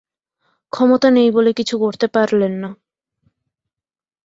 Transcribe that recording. ক্ষমতা নেই বলে কিছু করতে পারলেন না।